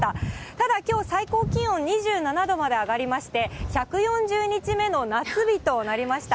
ただきょう、最高気温２７度まで上がりまして、１４０日目の夏日となりました。